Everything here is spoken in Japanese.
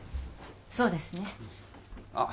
そうですねあっ